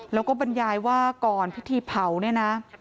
แล้วก็บรรยายว่าก่อนพิธีเผาเนี่ยนะ